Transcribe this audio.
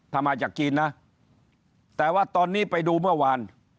ถ้ามาจากจีนนะแต่ว่าตอนนี้ไปดูเมื่อวาน